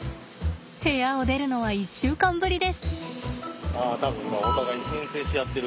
部屋を出るのは１週間ぶりです。